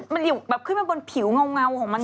มันอยู่แบบขึ้นมาบนผิวเงาของมันอย่างนี้หรอ